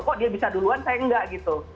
kok dia bisa duluan saya enggak gitu